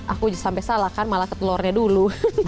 aku sampe salah kan malah ke telurnya dulu